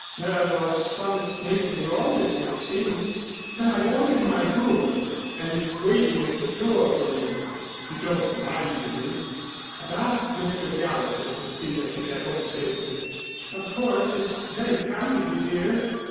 There was some mistake in the orders, it seems. But I've ordered my brougham, and it's waiting at the door for you. You don't mind, do you? I've asked Mr. Gallatin to see that you get home safely." "Of course, it's very kind of you, dear."